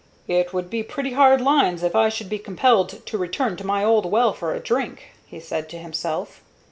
"It would be pretty hard lines if I should be compelled to return to my old well for a drink," he said to himself.